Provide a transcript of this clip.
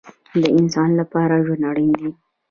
د انسان لپاره ژوند اړین دی